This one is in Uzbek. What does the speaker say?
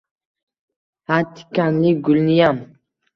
Ha tikanli gulniyam.